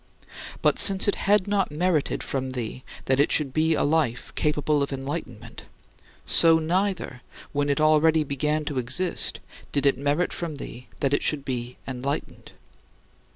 But, since it had not merited from thee that it should be a life capable of enlightenment, so neither, when it already began to exist, did it merit from thee that it should be enlightened.